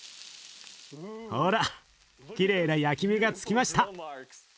ほらきれいな焼き目がつきました。